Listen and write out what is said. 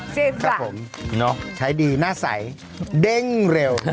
ครับผมใช้ดีหน้าใสเด้งเร็ว